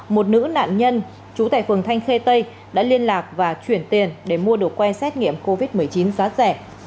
một nữ nạn nhân chú tại phường thanh khê tây đã liên lạc và chuyển tiền để mua đồ que xét nghiệm covid một mươi chín giá rẻ